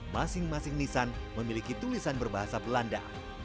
masing masing nisan memiliki tulisan berbahasa belanda